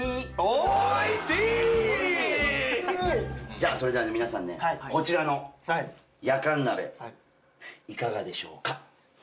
じゃそれではね皆さんねこちらのやかん鍋いかがでしょうか？